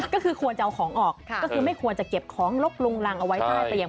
ก็คือควรจะเอาของออกก็คือไม่ควรจะเก็บของลกลุงรังเอาไว้ใต้เตียง